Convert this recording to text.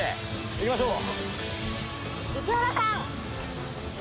いきましょう！